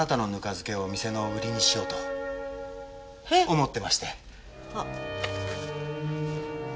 思ってまして。